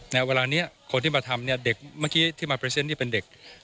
และเวลานี้คนที่มาทำเมื่อกี้ที่มาพริเศษนี่เป็นเด็ก